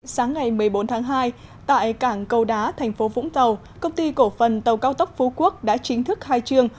sáng ngày một mươi bốn tháng hai tại cảng câu đá thành phố vũng tàu công ty cổ phần tàu cao tốc phú quốc đã chính thức khai trương